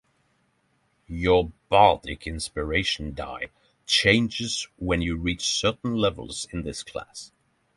Your Bardic Inspiration die changes when you reach certain levels in this class.